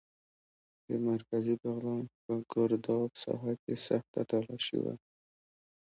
د مرکزي بغلان په ګرداب ساحه کې سخته تالاشي وه.